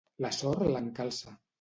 La sort l'encalça.